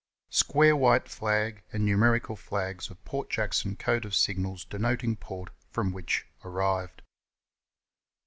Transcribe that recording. Square white flag and numerical flags of Port Jackson Code of signals denoting port from which arrived.